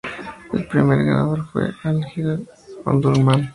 El primer ganador fue el Al-Hilal Omdurmán.